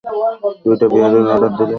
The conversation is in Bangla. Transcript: দুইটা বিয়ারের অর্ডার দিলে ভালো হয়।